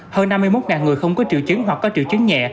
hơn năm mươi một người không có triệu chứng hoặc có triệu chứng nhẹ